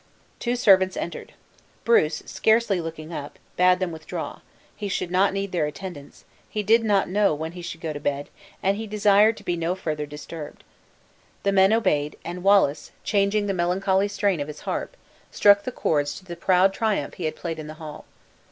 Two servants entered. Bruce, scarcely looking up, bade them withdraw; he should not need their attendance; he did not know when he should go to bed; and he desired to be no further disturbed. The men obeyed; and Wallace, changing the melancholy strain of his harp, struck the chords to the proud triumph he had played in the hall.